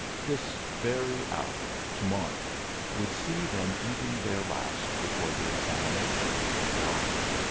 This very hour to morrow would see them eating their last before the examination in Philosophy 4.